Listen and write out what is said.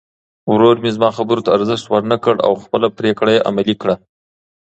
ورور مې زما خبرو ته ارزښت ورنه کړ او خپله پرېکړه یې عملي کړه.